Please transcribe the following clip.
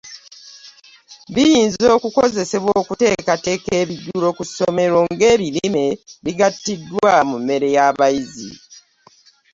Biyinza okukozesebwa okuteekateeka ebijjulo ku ssomero nga ebirime bigattiddwa mu mmere y’abayizi.